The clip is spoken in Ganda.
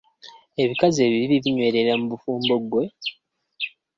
Ebikazi ebibi binywerera mu bufumbo gwe.